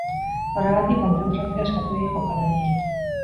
Horregatik kontzentrazioa eskatu die jokalariei.